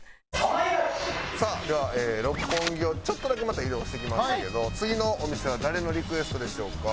さあでは六本木をちょっとだけまた移動してきましたけど次のお店は誰のリクエストでしょうか？